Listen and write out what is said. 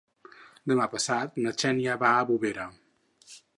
Demà passat na Xènia va a Bovera.